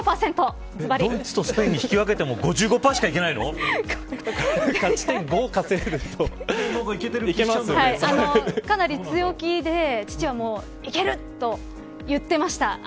ドイツとスペインに引き分けても５５パーしかかなり強気で父はいけると言ってました。